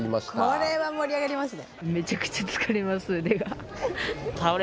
これは盛り上がりますね。